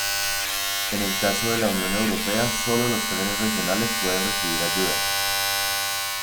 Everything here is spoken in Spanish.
En el caso de la Unión Europea sólo los trenes regionales pueden recibir ayudas.